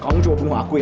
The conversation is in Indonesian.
kamu coba bunuh aku ya